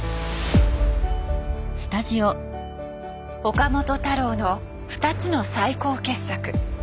岡本太郎の２つの最高傑作。